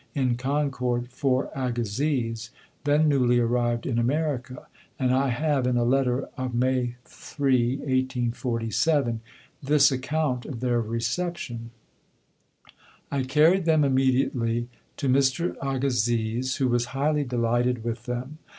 in Concord for Agassiz, then newly arrived in America, and I have (in a letter of May 3, 1847) this account of their reception: "I carried them immediately to Mr. Agassiz, who was highly delighted with them.